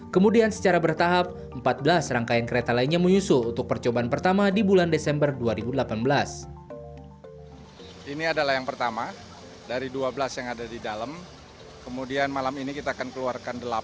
kemudian secara bertahap empat belas rangkaian kereta lainnya menyusul untuk percobaan pertama di bulan desember dua ribu delapan belas